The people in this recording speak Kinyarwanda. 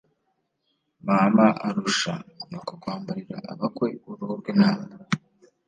Mama arusha nyoko kwambarira abakwe-Uruhu rw'intama.